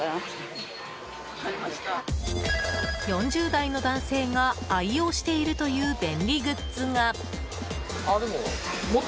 ４０代の男性が愛用しているという便利グッズが。